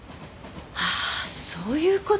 ああそういう事。